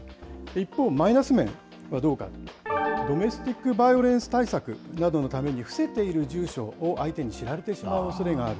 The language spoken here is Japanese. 一方、マイナス面はどうか、ドメスティックバイオレンス対策のために伏せている住所を相手に知られてしまうおそれがある。